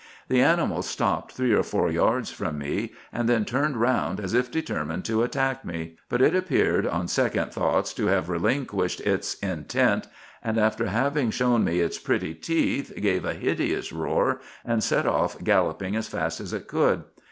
The animal stopped three or four yards from me, and then turned round as if determined to attack me ; but it appeared on second thoughts to have relinquished its intent, and after having shown me its pretty teeth, gave a hideous roar, and set off galloping as fast as it could.